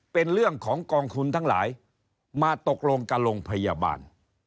เป็นเรื่องของกองทุนทั้งหลายมาตกลงกับโรงพยาบาล